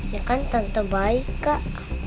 ya kan tante baik kak